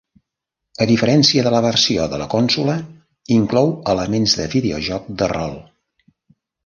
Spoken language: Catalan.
A diferència de la versió de la consola, inclou elements de videojoc de rol.